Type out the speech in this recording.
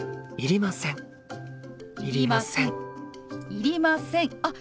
いりませんあっ